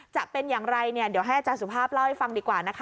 จะเป็นอย่างไรเนี่ยเดี๋ยวให้อาจารย์สุภาพเล่าให้ฟังดีกว่านะคะ